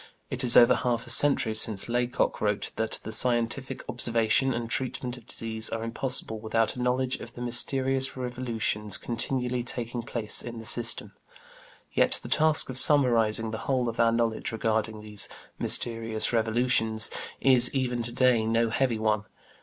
It is over half a century since Laycock wrote that "the scientific observation and treatment of disease are impossible without a knowledge of the mysterious revolutions continually taking place in the system"; yet the task of summarizing the whole of our knowledge regarding these "mysterious revolutions" is even to day no heavy one.